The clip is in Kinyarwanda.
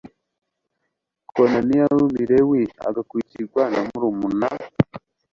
konaniya w umulewi agakurikirwa na murumuna